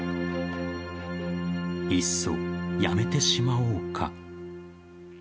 いっそやめてしまおうか。